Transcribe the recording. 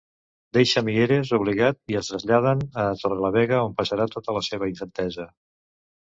Deixa Mieres obligat i es traslladen a Torrelavega on passarà tota la seva infantesa.